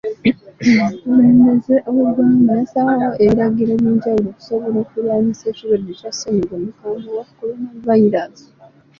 Omukulemelembeze w'eggwnga yassaawo ebiragiro eby'enjawulo okusobola okulwanyisa ekirwadde kya ssenyiga omukambwe owa coronavirus.